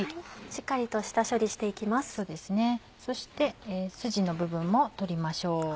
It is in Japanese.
そしてスジの部分も取りましょう。